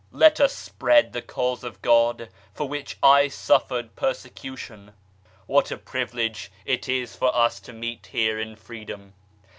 Let us spread the Cause of God, for which I suffered persecution. What a privilege it is for us to meet here in freedom.